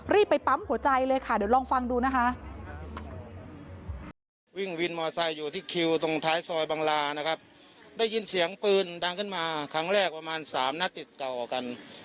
ไปปั๊มหัวใจเลยค่ะเดี๋ยวลองฟังดูนะคะ